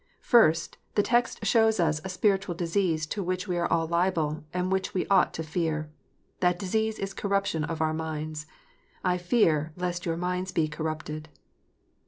First, the text shows us a spiritual disease to which ice are all liable, and which we ought to fear. That disease is corruption of our minds :" I fear, lest your minds be corrupted."